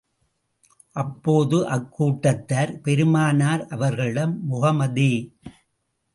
அப்போது அக்கூட்டத்தார், பெருமானார் அவர்களிடம், முஹம்மதே!